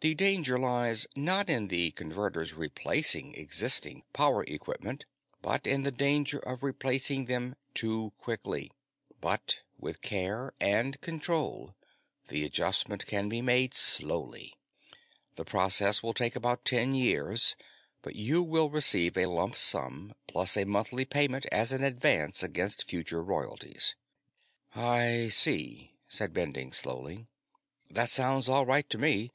The danger lies, not in the Converter's replacing existing power equipment, but in the danger of its replacing them too quickly. But with care and control, the adjustment can be made slowly. The process will take about ten years, but you will receive a lump sum, plus a monthly payment, as an advance against future royalties." "I see," said Bending slowly. "That sounds all right to me.